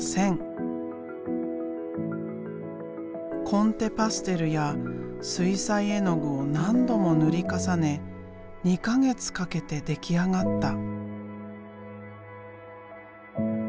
コンテパステルや水彩絵の具を何度も塗り重ね２か月かけて出来上がった。